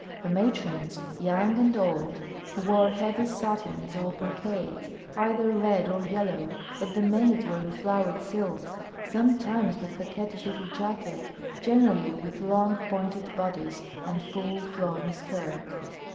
The matrons, young and old, wore heavy satins or brocades, either red or yellow, but the maids were in flowered silks, sometimes with coquettish little jacket, generally with long pointed bodice and full flowing skirt.